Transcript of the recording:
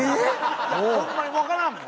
ホンマにわからんもん。